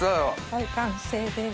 はい完成です。